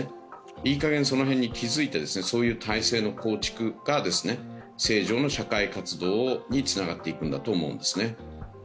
いいかげんその辺に気づいて、そういう体制の構築が正常な社会活動につながっていくんだと思うんですね。